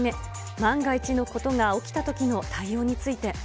万が一のことが起きたときの対応について。